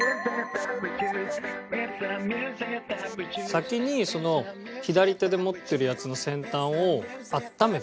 先にその左手で持ってるやつの先端を温めて。